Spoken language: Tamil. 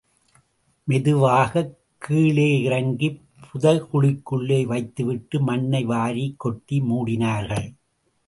மெதுவாகக் கீழே இறங்கிப் புதைகுழிக்குள்ளே வைத்துவிட்டு, மண்ணை வாரிக் கொட்டி மூடினார்கள்.